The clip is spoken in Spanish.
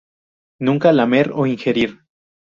Nunca lamer o ingerir.